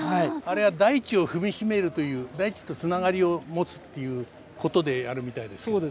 あれは大地を踏み締めるという大地とつながりを持つっていうことでやるみたいですけど。